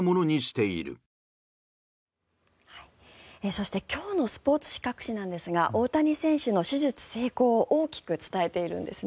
そして今日のスポーツ紙各紙なんですが大谷選手の手術成功を大きく伝えているんです。